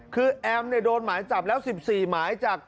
คือแอมโดนหมายจับแล้ว๑๔หมายจาก